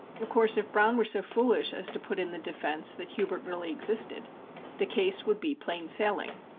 Of course, if Browne were so foolish as to put in the defence that Hubert really existed, the case would be plain sailing.